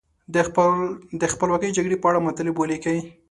د خپلواکۍ جګړې په اړه مطلب ولیکئ.